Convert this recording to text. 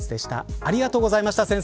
ありがとうございました先生。